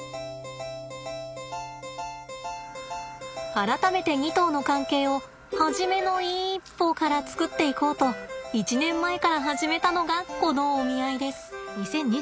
改めて２頭の関係を初めの一歩から作っていこうと１年前から始めたのがこのお見合いです。